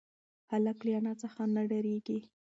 هلک له انا څخه نه ډارېږي.